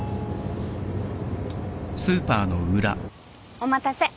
お待たせ。